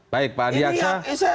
baik pak adi aksa